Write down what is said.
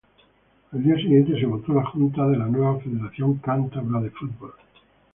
Al día siguiente se votó la junta de la nueva Federación Cántabra de Fútbol.